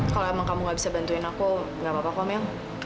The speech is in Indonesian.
kalau emang kamu gak bisa bantuin aku gak apa apa kom ya